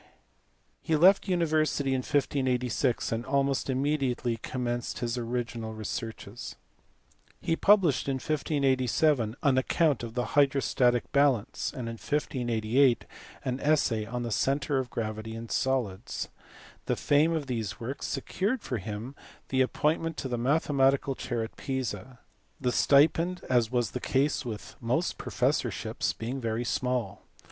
He left the university in 1586, and almost im mediately commenced his original researches. He published in 1587 an account of the hydrostatic balance, and in 1588 an essay on the centre of gravity in solids. The fame of these works secured for him the appointment to the mathematical chair at Pisa the stipend, as was the case with most professorships, being very small.